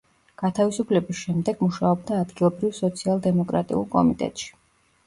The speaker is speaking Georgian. გათავისუფლების შემდეგ მუშაობდა ადგილობრივ სოციალ-დემოკრატიულ კომიტეტში.